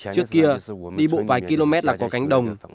trước kia đi một vài km là có cánh đồng